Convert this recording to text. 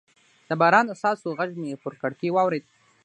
د باران د څاڅکو غږ مې پر کړکۍ واورېد.